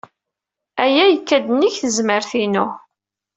Aya yekka-d nnig tzemmar-inu.